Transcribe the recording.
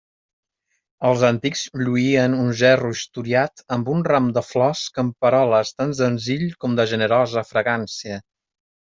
Els antics lluïen un gerro historiat amb un ram de flors camperoles tan senzill com de generosa fragància.